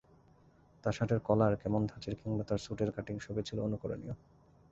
তাঁর শার্টের কলার কেমন ধাঁচের কিংবা তাঁর স্যুটের কাটিং—সবই ছিল অনুকরণীয়।